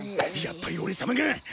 やっぱりオレ様が。